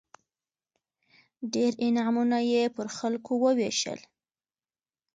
ډېر انعامونه یې پر خلکو ووېشل.